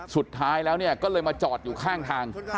สุดท้ายแล้วก็เลยมาจอดอยู่ข้างทาง